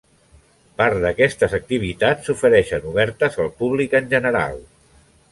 Part d'aquestes activitats s'ofereixen obertes al públic en general.